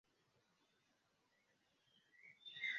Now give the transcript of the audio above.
La damaĝoj estis tiom grandaj ke necesis malkonstrui ĝin.